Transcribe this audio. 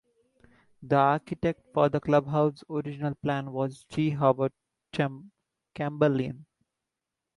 The architect for the clubhouse's original plan was G Howard Chamberlain.